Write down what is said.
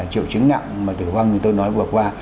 triệu chứng nặng mà tử vong như tôi nói vừa qua